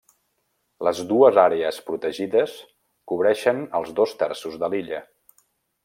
Les dues àrees protegides cobreixen els dos terços de l'illa.